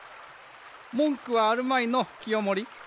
文句はあるまいの清盛。